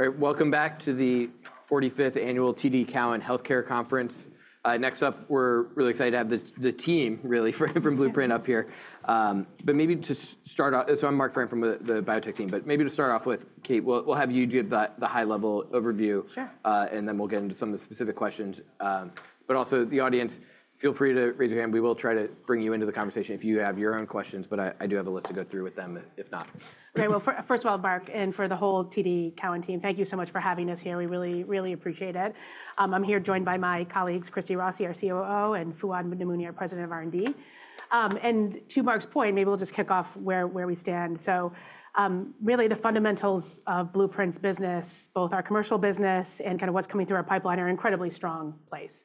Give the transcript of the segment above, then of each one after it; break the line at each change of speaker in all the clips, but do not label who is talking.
All right, welcome back to the 45th Annual TD Cowen Healthcare Conference. Next up, we're really excited to have the team, really, from Blueprint up here. But maybe to start off, so I'm Marc Frahm from the biotech team, but maybe to start off with, Kate, we'll have you give the high-level overview.
Sure.
And then we'll get into some of the specific questions. But also, the audience, feel free to raise your hand. We will try to bring you into the conversation if you have your own questions, but I do have a list to go through with them if not.
OK, well, first of all, Marc, and for the whole TD Cowen team, thank you so much for having us here. We really, really appreciate it. I'm here joined by my colleagues, Christy Rossi, our COO, and Fouad Namouni, our President of R&D. And to Marc's point, maybe we'll just kick off where we stand. So really, the fundamentals of Blueprint's business, both our commercial business and kind of what's coming through our pipeline, are an incredibly strong place.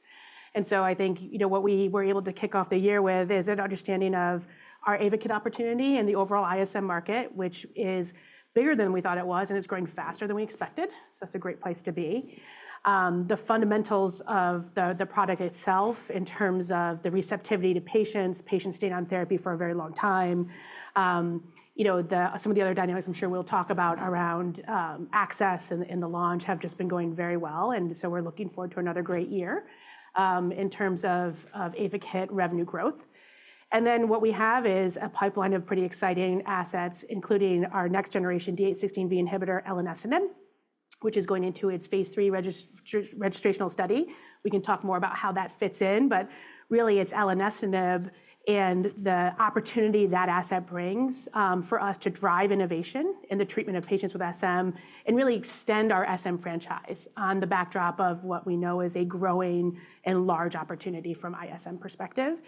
And so I think what we were able to kick off the year with is an understanding of our Ayvakit opportunity and the overall ISM market, which is bigger than we thought it was, and it's growing faster than we expected. So that's a great place to be. The fundamentals of the product itself in terms of the receptivity to patients, patients staying on therapy for a very long time. You know some of the other dynamics I'm sure we'll talk about around access and the launch have just been going very well. And so we're looking forward to another great year in terms of Ayvakit revenue growth. And then what we have is a pipeline of pretty exciting assets, including our next generation D816V Inhibitor, Elenestinib, which is going into its phase III registrational study. We can talk more about how that fits in, but really, it's Elenestinib and the opportunity that asset brings for us to drive innovation in the treatment of patients with SM and really extend our SM franchise on the backdrop of what we know is a growing and large opportunity from ISM perspective.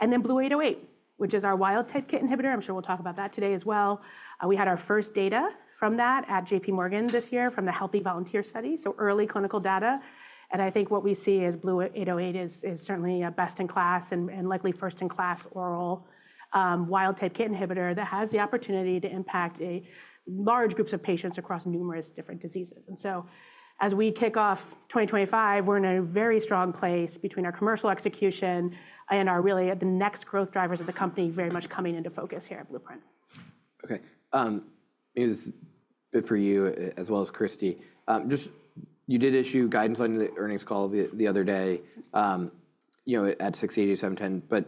And then BLU-808, which is our wild-type KIT inhibitor. I'm sure we'll talk about that today as well. We had our first data from that at J.P. Morgan this year from the healthy volunteer study, so early clinical data. And I think what we see is BLU-808 is certainly a best-in-class and likely first-in-class oral wild-type KIT inhibitor that has the opportunity to impact a large groups of patients across numerous different diseases. And so as we kick off 2025, we're in a very strong place between our commercial execution and our really the next growth drivers of the company very much coming into focus here at Blueprint.
OK, maybe this is a bit for you as well as Christy. Just you did issue guidance on the earnings call the other day you know at $680-$710. But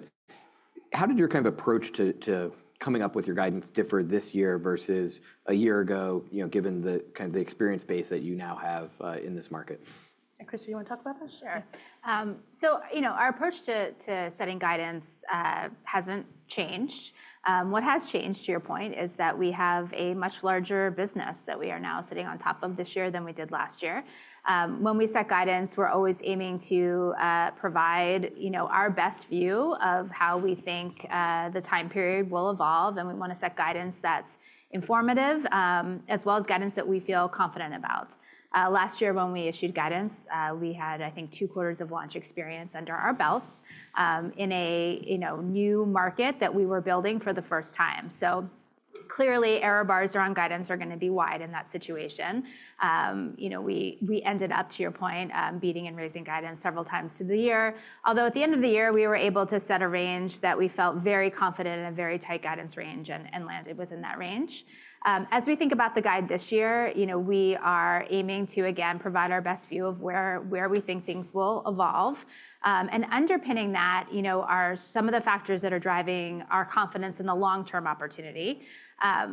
how did your kind of approach to coming up with your guidance differ this year versus a year ago, you know given the kind of experience base that you now have in this market?
Christy, do you want to talk about this?
Sure. So you know our approach to to setting guidance hasn't changed. What has changed, to your point, is that we have a much larger business that we are now sitting on top of this year than we did last year. When we set guidance, we're always aiming to provide you know our best view of how we think the time period will evolve. And then we want to set guidance that's informative, as well as guidance that we feel confident about. Last year, when we issued guidance, we had, I think, two quarters of launch experience under our belts in a you know new market that we were building for the first time. So clearly, error bars around guidance are going to be wide in that situation. You know we ended up, to your point, beating and raising guidance several times through the year. Although at the end of the year, we were able to set a range that we felt very confident in a very tight guidance range and landed within that range. As we think about the guide this year, you know we are aiming to, again, provide our best view of where we think things will evolve, and underpinning that you know are some of the factors that are driving our confidence in the long-term opportunity.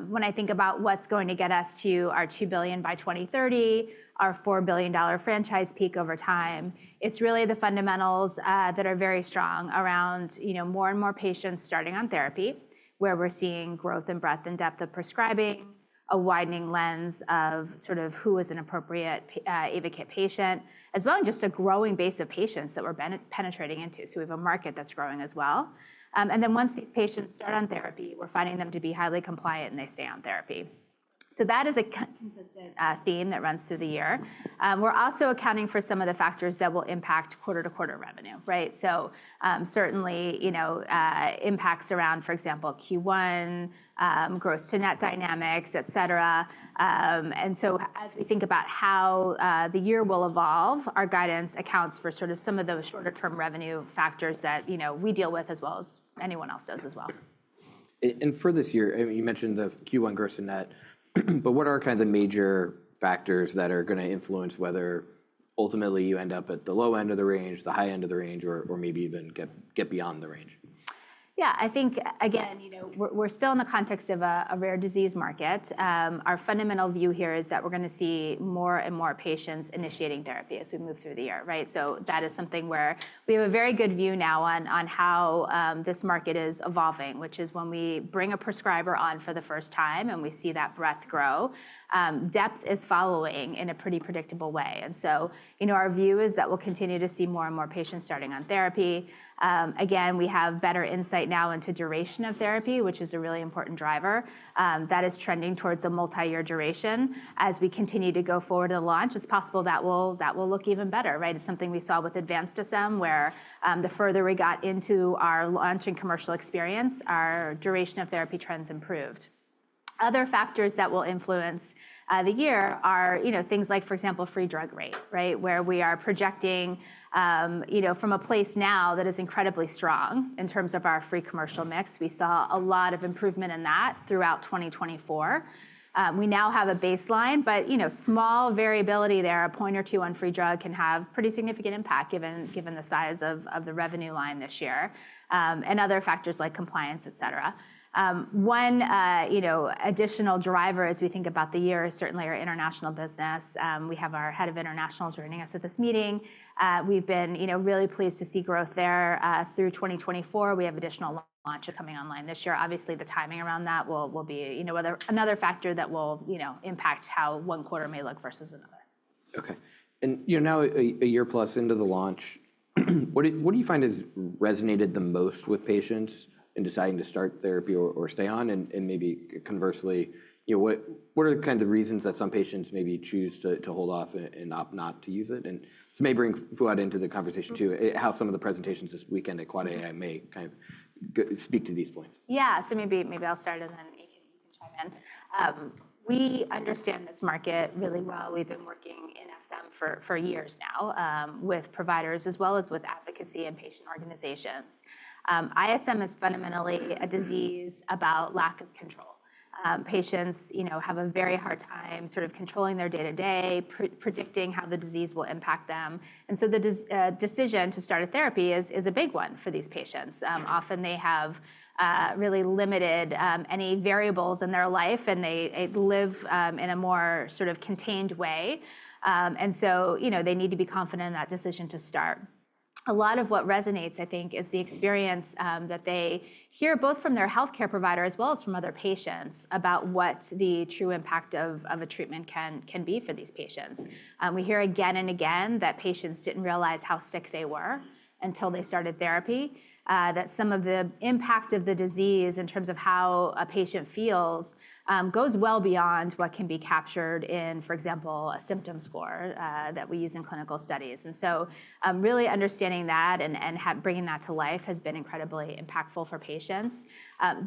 When I think about what's going to get us to our $2 billion by 2030, our $4 billion franchise peak over time, it's really the fundamentals that are very strong around you know more and more patients starting on therapy, where we're seeing growth and breadth and depth of prescribing, a widening lens of sort of who is an appropriate Ayvakit patient, as well as just a growing base of patients that we're penetrating into. So we have a market that's growing as well. And then once these patients start on therapy, we're finding them to be highly compliant, and they stay on therapy. So that is a consistent theme that runs through the year. We're also accounting for some of the factors that will impact quarter-to-quarter revenue, right? So certainly, you know impacts around, for example, Q1, gross-to-net Dynamics, et cetera. And so as we think about how the year will evolve, our guidance accounts for sort of some of those shorter-term revenue factors that you know we deal with, as well as anyone else does as well.
For this year, I mean, you mentioned the Q1 gross-to-net. What are kind of the major factors that are going to influence whether ultimately you end up at the low end of the range, the high end of the range, or maybe even get beyond the range?
Yeah, I think, again, you know we're still in the context of a rare disease market. Our fundamental view here is that we're going to see more and more patients initiating therapy as we move through the year, right? So that is something where we have a very good view now on how this market is evolving, which is when we bring a prescriber on for the first time and we see that breadth grow, depth is following in a pretty predictable way, and in our view is that we'll continue to see more and more patients starting on therapy. Again, we have better insight now into duration of therapy, which is a really important driver. That is trending towards a multi-year duration. As we continue to go forward to the launch, it's possible that will that will look even better, right? It's something we saw with advanced SM, where the further we got into our launch and commercial experience, our duration of therapy trends improved. Other factors that will influence the year are you know things like, for example, free drug rate, right, where we are projecting you know from a place now that is incredibly strong in terms of our free commercial mix. We saw a lot of improvement in that throughout 2024. We now have a baseline, but you know small variability there, a point or two on free drug can have pretty significant impact, given the size of the revenue line this year, and other factors like compliance, et cetera. One you know additional driver as we think about the year is certainly our international business. We have our head of international joining us at this meeting. We've been really pleased to see growth there through 2024. We have additional launch coming online this year. Obviously, the timing around that will be whether another factor that will you know impact how one quarter may look versus another.
OK. And now a year plus into the launch, what do you find has resonated the most with patients in deciding to start therapy or stay on? And maybe conversely, you know what are kind of the reasons that some patients maybe choose to hold off and opt not to use it? And may bring Fouad into the conversation too, how some of the presentations this weekend at Quad AI may kind of speak to these points.
Yeah, so maybe I'll start, and then you can come in. We understand this market really well. We've been working in SM for years now with providers, as well as with advocacy and patient organizations. ISM is fundamentally a disease about lack of control. Patients you know have a very hard time sort of controlling their day-to-day, predicting how the disease will impact them. And so the decision to start a therapy is a big one for these patients. Often, they have really limited any variables in their life, and they live in a more sort of contained way. And so you know they need to be confident in that decision to start. A lot of what resonates, I think, is the experience that they hear both from their health care provider as well as from other patients about what the true impact of a treatment can be for these patients. We hear again and again that patients didn't realize how sick they were until they started therapy, that some of the impact of the disease in terms of how a patient feels goes well beyond what can be captured in, for example, a symptom score that we use in clinical studies. And so really understanding that and bringing that to life has been incredibly impactful for patients.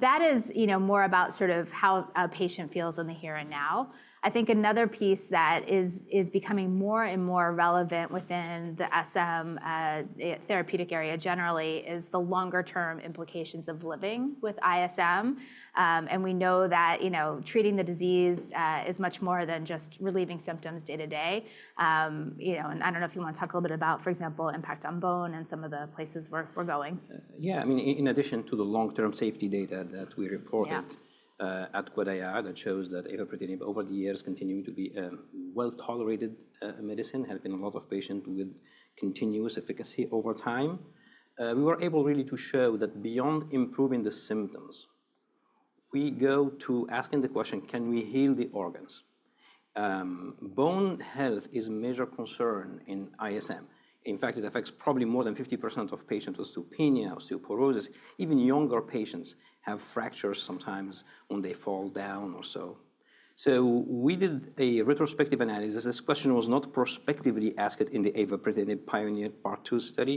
That is you know more about sort of how a patient feels in the here and now. I think another piece that is becoming more and more relevant within the SM therapeutic area generally is the longer-term implications of living with ISM. And we know that you know treating the disease is much more than just relieving symptoms day to day. You know and I don't know if you want to talk a little bit about, for example, impact on bone and some of the places we're going.
Yeah, I mean, in addition to the long-term safety data that we reported
Yeah.
at Quad AI that shows that over the years, continuing to be a well-tolerated medicine, helping a lot of patients with continuous efficacy over time, we were able really to show that beyond improving the symptoms, we go to asking the question, can we heal the organs? Bone health is a major concern in ISM. In fact, it affects probably more than 50% of patients with osteopenia, osteoporosis. Even younger patients have fractures sometimes when they fall down or so. So we did a retrospective analysis. This question was not prospectively asked in the Ayvakit PIONEER Part II study.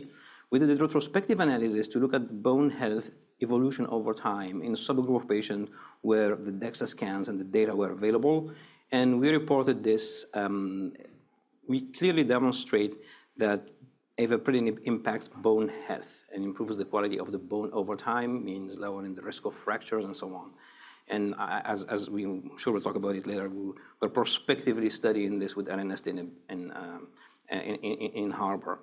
We did a retrospective analysis to look at bone health evolution over time in subgroup patients where the DEXA scans and the data were available. And we reported this. We clearly demonstrate that Ayvakit impacts bone health and improves the quality of the bone over time, means lowering the risk of fractures and so on. And as as we're sure we'll talk about it later, we're prospectively studying this with Elenestinib in Harbor.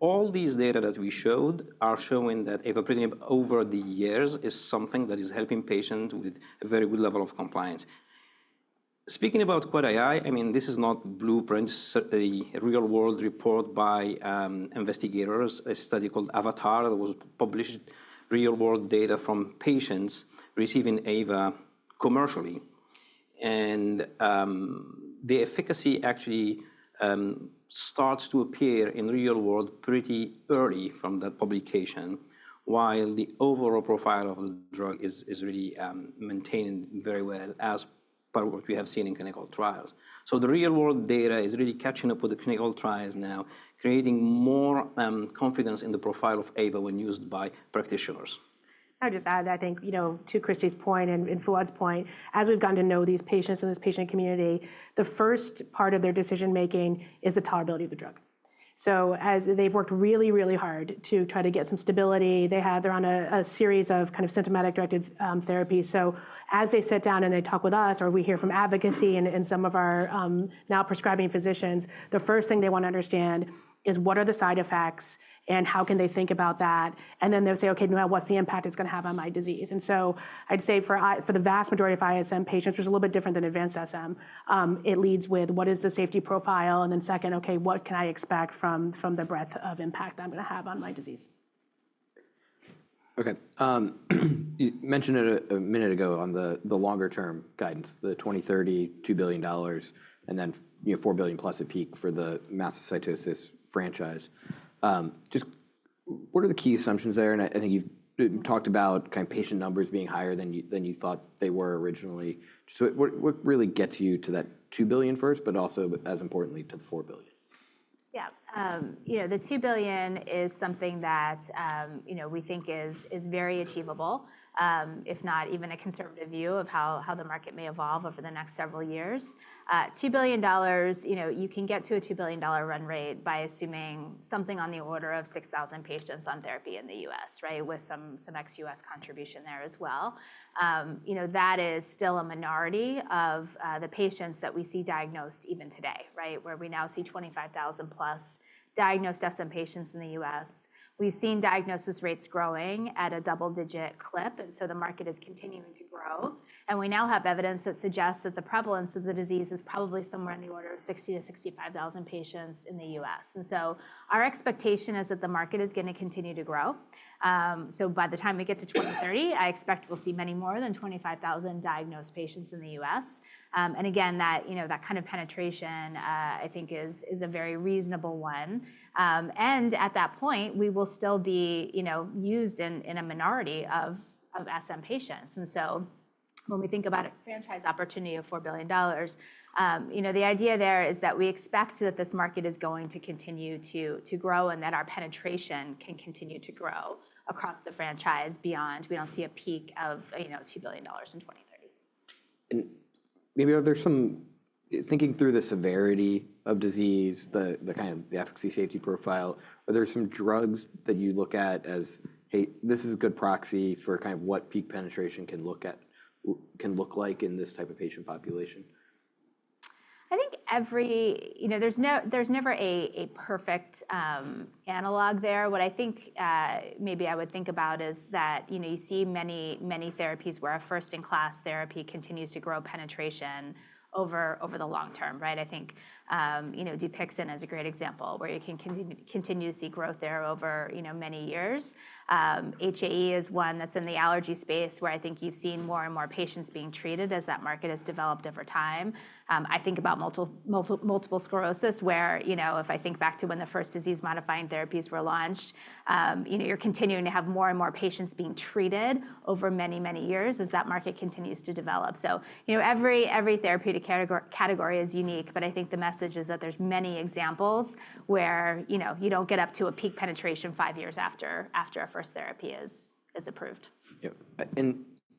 All these data that we showed are showing that Ayvakit over the years is something that is helping patients with a very good level of compliance. Speaking about Quad AI, I mean, this is not Blueprint, a real-world report by investigators, a study called AVATAR that was published, real-world data from patients receiving Ayva commercially. And the efficacy actually starts to appear in real world pretty early from that publication, while the overall profile of the drug is really maintained very well, as part of what we have seen in clinical trials. So the real world data is really catching up with the clinical trials now, creating more confidence in the profile of AVA when used by practitioners.
I would just add, I think you know to Christy's point and Fouad's point, as we've gotten to know these patients and this patient community, the first part of their decision-making is the tolerability of the drug. So as they've worked really, really hard to try to get some stability, they're on a series of kind of symptomatic-directed therapies. So as they sit down and they talk with us, or we hear from advocacy and some of our now prescribing physicians, the first thing they want to understand is what are the side effects and how can they think about that? And then they'll say, OK, now what's the impact it's going to have on my disease? And so I'd say for the vast majority of ISM patients, which is a little bit different than advanced SM, it leads with what is the safety profile? And then second, OK, what can I expect from the breadth of impact that I'm going to have on my disease?
OK. You mentioned a minute ago on the longer-term guidance, the 2030 $2 billion, and then $4 billion plus a peak for the Mastocytosis franchise. Just what are the key assumptions there? And I think you've talked about kind of patient numbers being higher than you thought they were originally. So what really gets you to that $2 billion first, but also, as importantly, to the $4 billion?
Yeah, you know the $2 billion is something that you know we think is is very achievable, if not even a conservative view of how the market may evolve over the next several years. $2 billion, you can get to a $2 billion run rate by assuming something on the order of 6,000 patients on therapy in the US, right, with some ex-US contribution there as well. You know that is still a minority of the patients that we see diagnosed even today, right, where we now see 25,000 plus diagnosed SM patients in the US. We've seen diagnosis rates growing at a double-digit clip. And so the market is continuing to grow. And we now have evidence that suggests that the prevalence of the disease is probably somewhere in the order of 60,000-65,000 patients in the US. And so our expectation is that the market is going to continue to grow. So by the time we get to 2030, I expect we'll see many more than 25,000 diagnosed patients in the US. And again, that you know kind of penetration, I think, is a very reasonable one. And at that point, we will still be you know used in a minority of SM patients. And so when we think about a franchise opportunity of $4 billion, you know the idea there is that we expect that this market is going to continue to grow and that our penetration can continue to grow across the franchise beyond, we don't see a peak of you know $2 billion in 2030.
Maybe are there some, thinking through the severity of disease, the kind of the efficacy safety profile, are there some drugs that you look at as, hey, this is a good proxy for kind of what peak penetration can look at can look like in this type of patient population?
I think every you know there's never a perfect analog there. What I think maybe I would think about is that you know you see many therapies where a first-in-class therapy continues to grow penetration over the long term, right? I think you know Dupixent is a great example, where you can continue to see growth there you know over many years. HAE is one that's in the allergy space, where I think you've seen more and more patients being treated as that market has developed over time. I think about multiple sclerosis, where if I think back to when the first disease-modifying therapies were launched, you're continuing to have more and more patients being treated over many, many years as that market continues to develop. So every therapeutic category is unique. But I think the message is that there's many examples where you know you don't get up to a peak penetration five years after after a first therapy is approved.
Yeah.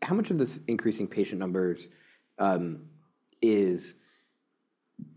How much of this increasing patient numbers is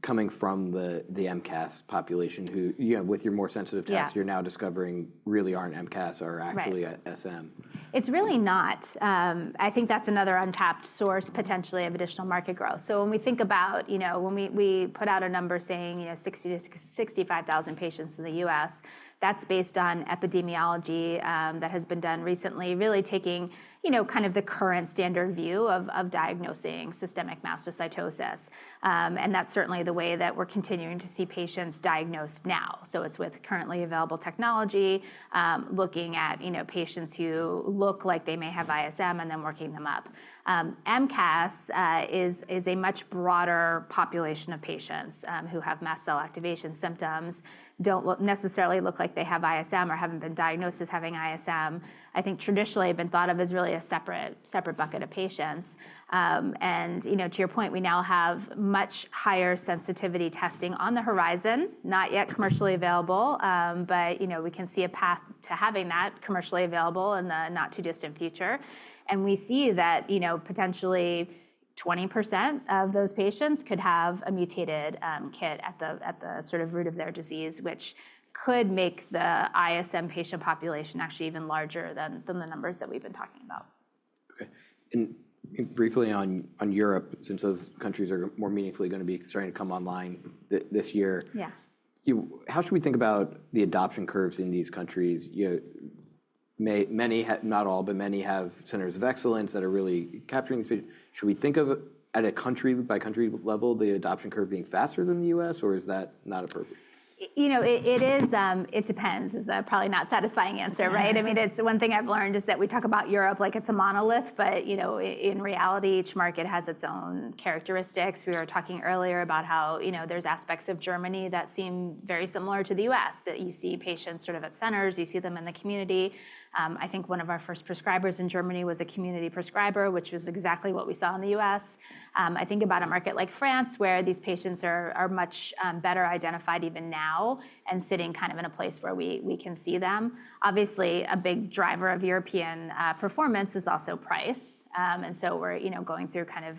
coming from the MCAS population who, with your more sensitive
Yeah.
tests you're now discovering, really aren't MCAS
Right
or are actually SM?
It's really not. I think that's another untapped source, potentially, of additional market growth. So when we think about you know when we put out a number saying 60,000 to 65,000 patients in the US, that's based on epidemiology that has been done recently, really taking you know kind of the current standard view of diagnosing systemic mastocytosis. And that's certainly the way that we're continuing to see patients diagnosed now. So it's with currently available technology, looking at you know patients who look like they may have ISM and then working them up. MCAS is a much broader population of patients who have mast cell activation symptoms, don't necessarily look like they have ISM or haven't been diagnosed as having ISM. I think traditionally have been thought of as really a separate seperate bucket of patients. And you know to your point, we now have much higher sensitivity testing on the horizon, not yet commercially available. But we can see a path to having that commercially available in the not-too-distant future. And we see that you know potentially 20% of those patients could have a mutated KIT at the sort of root of their disease, which could make the ISM patient population actually even larger than the numbers that we've been talking about.
OK. And briefly on Europe, since those countries are more meaningfully going to be starting to come online this year, how should we think about the adoption curves in these countries? Many, not all, but many have centers of excellence that are really capturing these patients. Should we think of, at a country-by-country level, the adoption curve being faster than the US, or is that not appropriate?
You know it is. It depends. It's probably not a satisfying answer, right? I mean, one thing I've learned is that we talk about Europe like it's a monolith. But in reality, each market has its own characteristics. We were talking earlier about how you know there's aspects of Germany that seem very similar to the US, that you see patients sort of at centers. You see them in the community. I think one of our first prescribers in Germany was a community prescriber, which was exactly what we saw in the US I think about a market like France, where these patients are much better identified even now and sitting kind of in a place where we can see them. Obviously, a big driver of European performance is also price. And so we're going through kind of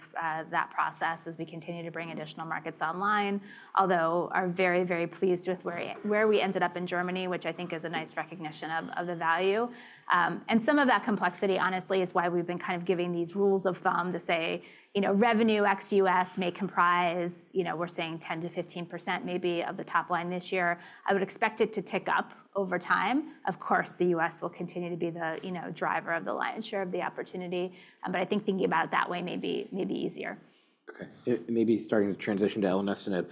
that process as we continue to bring additional markets online, although are very, very pleased with where we ended up in Germany, which I think is a nice recognition of the value. And some of that complexity, honestly, is why we've been kind of giving these rules of thumb to say you know revenue ex-US may comprise, you know we're saying, 10%-15% maybe of the top line this year. I would expect it to tick up over time. Of course, the US will continue to be you know the driver of the lion's share of the opportunity. But I think thinking about it that way may be may be easier.
OK. Maybe starting to transition to Elenestinib,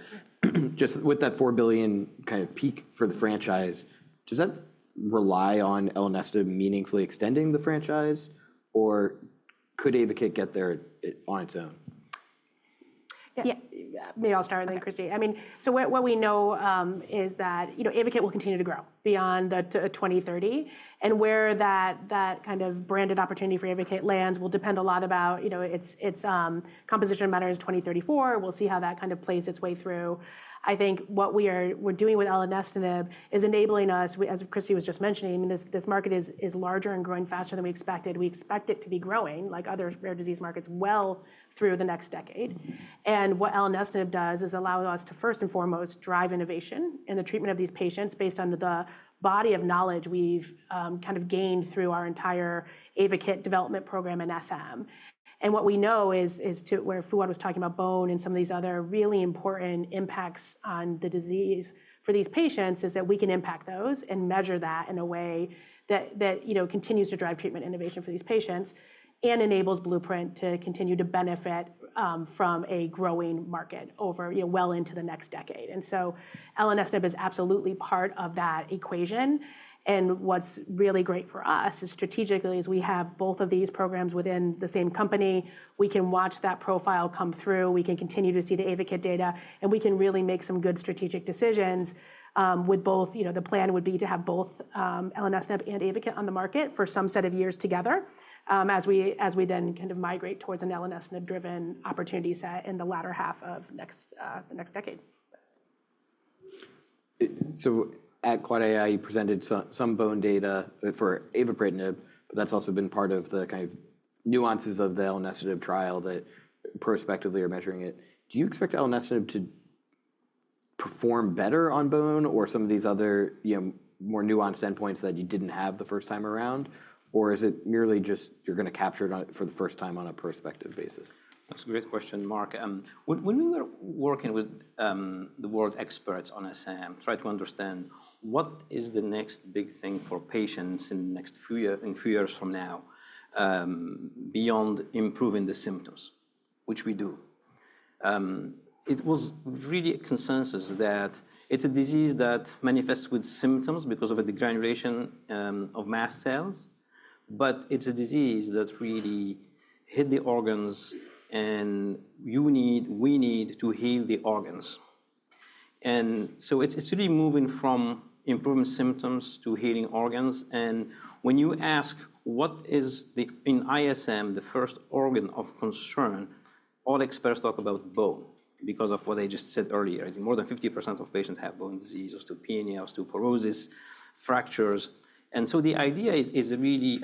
just with that $4 billion kind of peak for the franchise, does that rely on Elenestinib meaningfully extending the franchise, or could Ayvakit get there on its own?
Yeah. Maybe I'll start, and then Christy. I mean, so what we know is that you know Ayvakit will continue to grow beyond 2030. And where that that kind of branded opportunity for Ayvakit lands will depend a lot about its its competition matters 2034. We'll see how that kind of plays its way through. I think what we're doing with Elenestinib is enabling us, as Christy was just mentioning, this market is larger and growing faster than we expected. We expect it to be growing like other rare disease markets well through the next decade. And what Elenestinib does is allow us to, first and foremost, drive innovation in the treatment of these patients based on the body of knowledge we've kind of gained through our entire Ayvakit development program in SM. And what we know is, where Fouad was talking about bone and some of these other really important impacts on the disease for these patients, is that we can impact those and measure that in a way that that you know continues to drive treatment innovation for these patients and enables Blueprint to continue to benefit from a growing market over you know well into the next decade. And so Elenestinib is absolutely part of that equation. And what's really great for us is, strategically, as we have both of these programs within the same company, we can watch that profile come through. We can continue to see the Ayvakit data. And we can really make some good strategic decisions with both you know the plan would be to have both Elenestinib and Ayvakit on the market for some set of years together, as we then kind of migrate towards an Elenestinib-driven opportunity set in the latter half of next decade.
So at Quad AI, presented some bone data for Ayvakit. That's also been part of the kind of nuances of the Elenestinib trial that prospectively are measuring it. Do you expect Elenestinib to perform better on bone or some of these other you know more nuanced endpoints that you didn't have the first time around? Or is it merely just you're going to capture it for the first time on a prospective basis?
That's a great question, Marc. And when we were working with the world experts on SM, trying to understand what is the next big thing for patients in a few years from now beyond improving the symptoms, which we do, it was really a consensus that it's a disease that manifests with symptoms because of a degeneration of mast cells, but it's a disease that really hit the organs, and you need, we need to heal the organs, and so it's really moving from improving symptoms to healing organs, and when you ask what is, in ISM, the first organ of concern, all experts talk about bone because of what I just said earlier. More than 50% of patients have bone disease, Osteopenia, Osteoporosis, fractures, and so the idea is really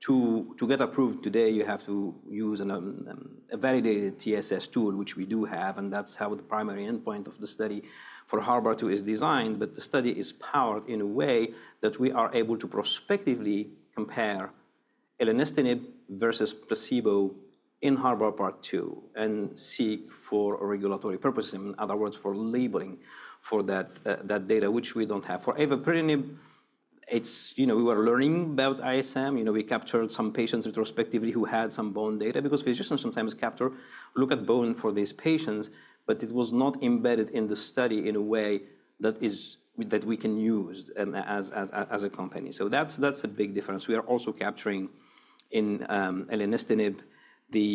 to get approved today, you have to use a validated TSS tool, which we do have. And that's how the primary endpoint of the study for HARBOR two is designed. But the study is powered in a way that we are able to prospectively compare Elenestinib versus Placebo in HARBOR Part II and seek for regulatory purposes, in other words, for labeling for that data, which we don't have. For Avapritinib, its you know we were learning about ISM. You know we captured some patients retrospectively who had some bone data because physicians sometimes capture, look at bone for these patients. But it was not embedded in the study in a way that is with that we can use as a company. So that's a big difference. We are also capturing in Elenestinib the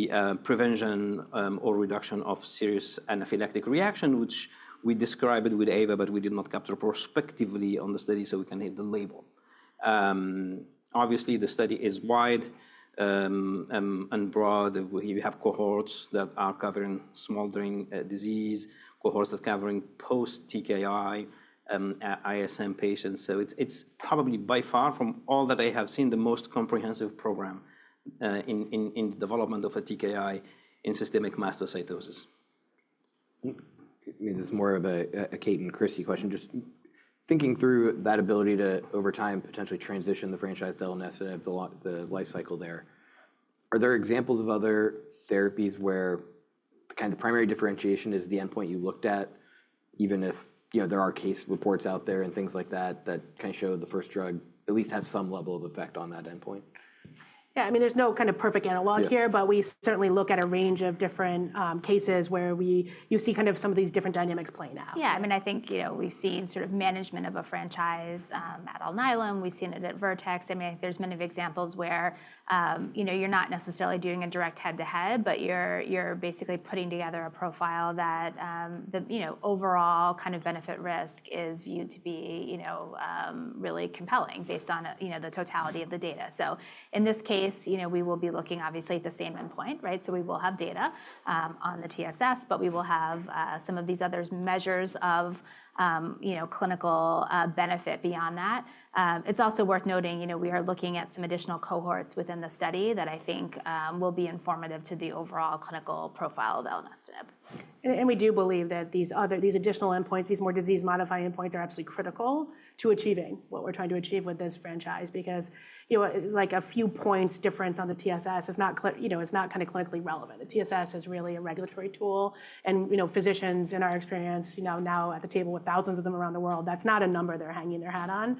prevention or reduction of serious anaphylactic reaction, which we described with AVA, but we did not capture prospectively on the study so we can hit the label. Obviously, the study is wide and broad. You have cohorts that are covering smoldering disease, cohorts that are covering post-TKI ISM patients. So it's probably, by far, from all that I have seen, the most comprehensive program in the development of a TKI in Systemic Mastocytosis.
This is more of a Kate and Christy question. Just thinking through that ability to, over time, potentially transition the franchise to Elenestinib, the lifecycle there, are there examples of other therapies where the kind of primary differentiation is the endpoint you looked at, even if there are case reports out there and things like that that kind of show the first drug at least has some level of effect on that endpoint?
Yeah. I mean, there's no kind of perfect analog here. But we certainly look at a range of different cases where we you see kind of some of these different dynamics playing out.
Yeah. I mean, I think you know we've seen sort of management of a franchise at Alnylam. We've seen it at Vertex. I mean, there's many examples where you know you're not necessarily doing a direct head-to-head, but you're basically putting together a profile that you know the overall kind of benefit-risk is viewed to be you know really compelling based on the totality of the data. So in this case, you know we will be looking, obviously, at the same endpoint, right? So we will have data on the TSS, but we will have some of these other measures of you know clinical benefit beyond that. It's also worth noting you know we are looking at some additional cohorts within the study that I think will be informative to the overall clinical profile of Elenestinib.
And we do believe that these additional endpoints, these more disease-modifying endpoints, are absolutely critical to achieving what we're trying to achieve with this franchise because this is like a few points difference on the TSS is not you know kind of clinically relevant. The TSS is really a regulatory tool. Physicians, in our experience, now at the table with thousands of them around the world, that's not a number they're hanging their hat on.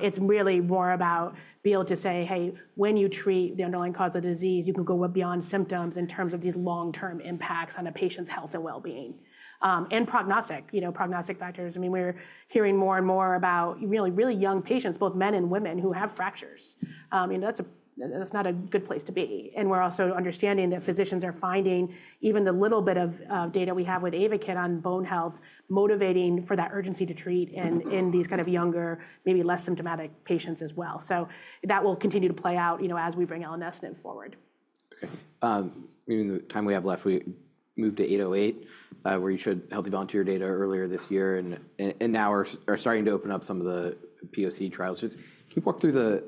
It's really more about being able to say, hey, when you treat the underlying cause of disease, you can go beyond symptoms in terms of these long-term impacts on a patient's health and well-being. I In Prognostic, prognostic factors. I mean, we're hearing more and more about really, really young patients, both men and women, who have fractures. You know that's not a good place to be. And we're also understanding that physicians are finding even the little bit of data we have with Ayvakit on bone health motivating for that urgency to treat in these kind of younger, maybe less symptomatic patients as well. So that will continue to play out you know as we bring Elenestinib forward.
OK. Maybe in the time we have left, we move to 808, where you showed healthy volunteer data earlier this year, and now are starting to open up some of the POC trials. Just can you walk through the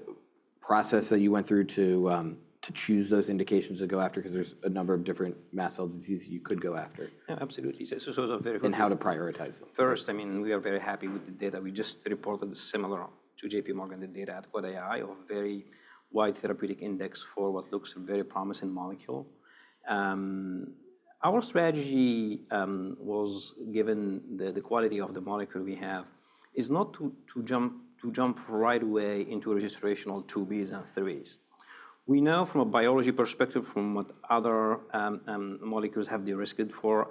process that you went through to choose those indications to go after because there's a number of different mast cell diseases you could go after?
Yeah, absolutely.
And how to prioritize them?
First, I mean, we are very happy with the data. We just reported, similar to J.P. Morgan, the data at Quad AI, a very wide therapeutic index for what looks like a very promising molecule. Our strategy, was given the quality of the molecule we have, is not to jump right away into registrational 2Bs and 3s. We know from a biology perspective, from what other molecules have derisked for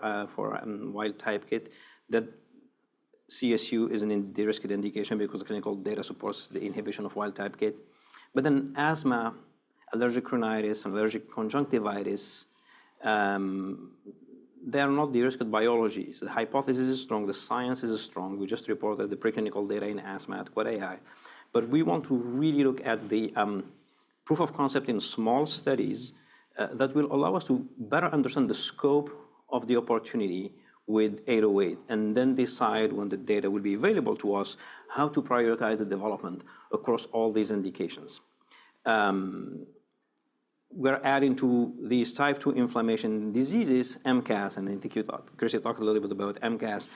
wild-type KIT, that CSU is a derisked indication because the clinical data supports the inhibition of wild-type KIT. But then ASMA, allergic rhinitis, and allergic conjunctivitis, they are not derisked biologies. The hypothesis is strong. The science is strong. We just reported the preclinical data in asthma at Quad AI. But we want to really look at the proof of concept in small studies that will allow us to better understand the scope of the opportunity with 808 and then decide, when the data will be available to us, how to prioritize the development across all these indications. We're adding to these type II inflammation diseases, MCAS, and I think Christy talked a little bit about MCAS.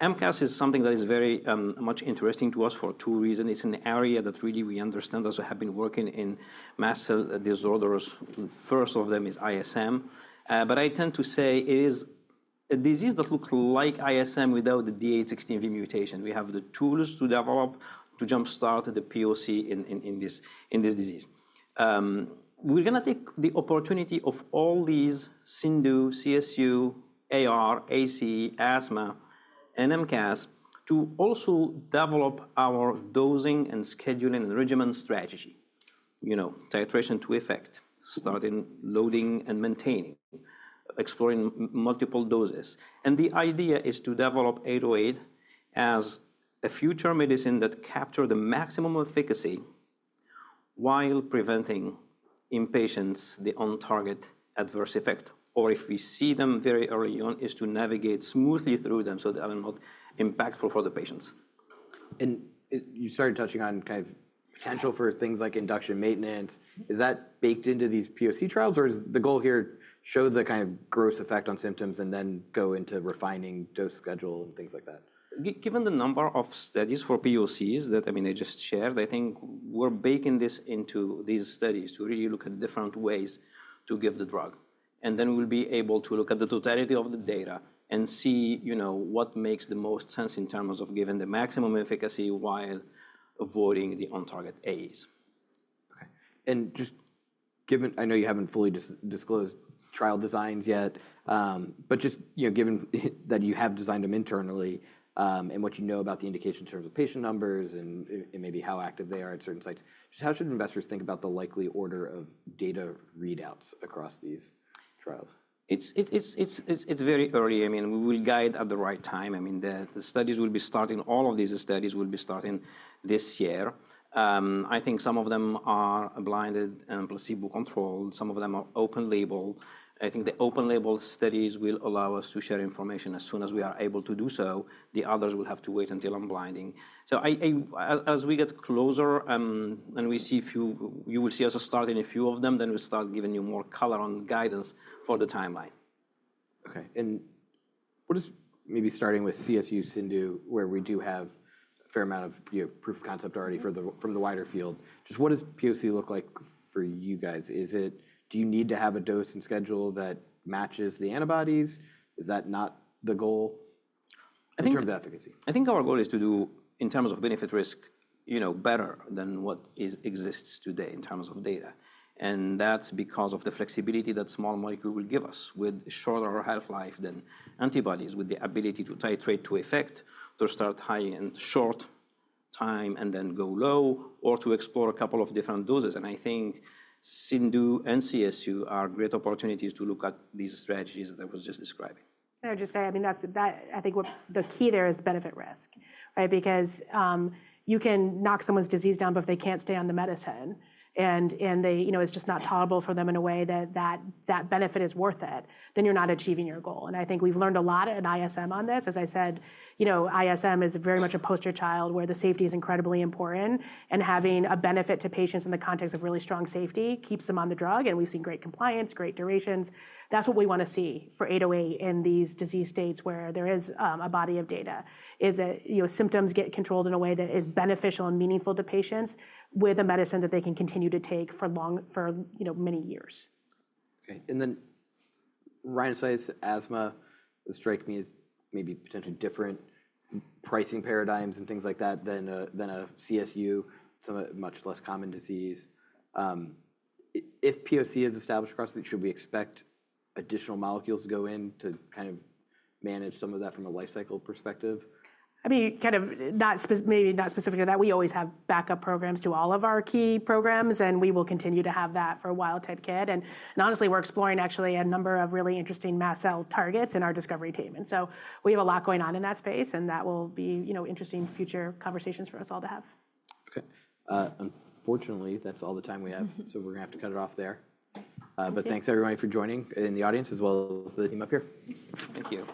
MCAS is something that is very much interesting to us for two reasons. It's an area that really we understand we've been working in mast cell disorders. First of them is ISM. But I tend to say, it is a disease that looks like ISM without the D816V mutation. We have the tools to develop, to jumpstart the POC in this disease. We're going to take the opportunity of all these CIndU, CSU, AR, AC, asthma, and MCAS to also develop our dosing and scheduling and regimen strategy, you know titration to effect, starting loading and maintaining, exploring multiple doses. And the idea is to develop 808 as a future medicine that captures the maximum efficacy while preventing in patients the on-target adverse effect. Or if we see them very early on, is to navigate smoothly through them so that they are not impactful for the patients.
and you started touching on kind of potential for things like induction maintenance. Is that baked into these POC trials? Or is the goal here to show the kind of gross effect on symptoms and then go into refining dose schedule and things like that?
Given the number of studies for POCs that I mean they just shared, I think we're baking this into these studies to really look at different ways to give the drug. And then we'll be able to look at the totality of the data and see you know what makes the most sense in terms of giving the maximum efficacy while avoiding the on-target AEs.
OK. And just given I know you haven't fully disclosed trial designs yet. But just given that you have designed them internally and what you know about the indication in terms of patient numbers and maybe how active they are at certain sites, just how should investors think about the likely order of data readouts across these trials?
It's very early. I mean, we will guide at the right time. I mean, the studies will be starting all of these studies will be starting this year. I think some of them are blinded and placebo-controlled. Some of them are open label. I think the open label studies will allow us to share information as soon as we are able to do so. The others will have to wait until unblinding. So as we get closer and we see a few, you will see us starting a few of them, then we'll start giving you more color on guidance for the timeline.
OK. And maybe starting with CSU, CIndU, where we do have fair amount of proof of concept already from the wider field. Just what does POC look like for you guys? Is it do you need to have a dose and schedule that matches the antibodies? Is that not the goal in terms of efficacy?
I think our goal is to do, in terms of benefit-risk, you know better than what exists today in terms of data, and that's because of the flexibility that small molecules will give us with shorter half-life than antibodies, with the ability to titrate to effect, to start high in short time and then go low, or to explore a couple of different doses, and I think CIndU and CSU are great opportunities to look at these strategies that I was just describing.
I would just say, I mean, I think the key there is benefit-risk, right? Because you can knock someone's disease down, but if they can't stay on the medicine and they it's just not tolerable for them in a way that that benefit is worth it, then you're not achieving your goal, and I think we've learned a lot at ISM on this. As I said, ISM is very much a poster child where the safety is incredibly important, and having a benefit to patients in the context of really strong safety keeps them on the drug, and we've seen great compliance, great durations. That's what we want to see for 808 in these disease states where there is a body of data, is that symptoms get controlled in a way that is beneficial and meaningful to patients with a medicine that they can continue to take for long you know for many years.
OK. And then rhinitis, asthma strike me as maybe potentially different pricing paradigms and things like that than a CSU, some much less common disease. If POC is established across it, should we expect additional molecules to go in to kind of manage some of that from a lifecycle perspective?
I mean, kind of maybe not specific to that. We always have backup programs to all of our key programs, and we will continue to have that for wild-type KIT, and honestly, we're exploring actually a number of really interesting mast cell targets in our discovery team, and so we will [lock well on] in that space and that will be you know interesting future conversations for us all to have.
OK. Unfortunately, that's all the time we have. So we're going to have to cut it off there. But thanks, everyone, for joining in the audience as well as the team up here.
Thank you.